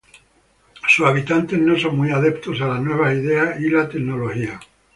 Sus habitantes no son muy adeptos a las nuevas ideas y la tecnología.